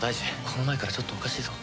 この前からちょっとおかしいぞ。